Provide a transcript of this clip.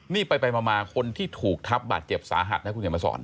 นี่ไปมาคนที่ถูกทับบาดเจ็บสาหัสนะคุณเขียนมาสอน